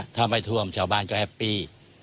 ถ้าไม่ท่วมชาวบ้านก็แฮปปี้